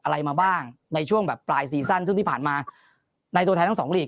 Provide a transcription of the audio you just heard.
อะไรมาบ้างในช่วงแบบปลายซีซั่นซึ่งที่ผ่านมาในตัวแทนทั้งสองหลีก